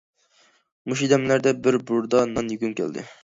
مۇشۇ دەملەردە بىر بۇردا نان يېگۈم كەلدى.